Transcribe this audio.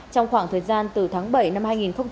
trong khoảng thời gian từ tháng bảy năm hai nghìn hai mươi